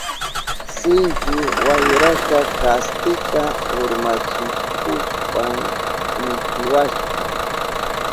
Sinchi wayraka kaspita urmachihushpan nitiwashka.